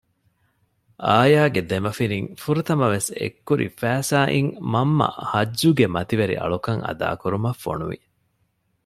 އާޔާގެ ދެމަފިރިން ފުރަތަމަވެސް އެއްކުރި ފައިސާއިން މަންމަ ހައްޖުގެ މަތިވެރި އަޅުކަން އަދާކުރުމަށް ފޮނުވި